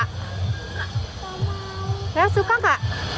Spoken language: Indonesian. terus tadi jalan jalan sama kuda